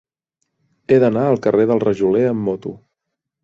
He d'anar al carrer del Rajoler amb moto.